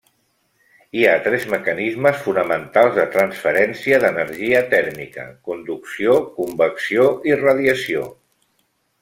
Hi ha tres mecanismes fonamentals de transferència d'energia tèrmica: conducció, convecció i radiació.